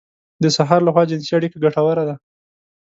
د سهار لخوا جنسي اړيکه ګټوره ده.